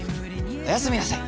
おやすみなさい。